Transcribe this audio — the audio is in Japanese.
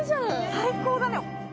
最高だね